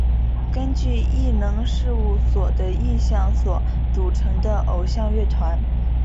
根据艺能事务所的意向所组成的偶像乐团。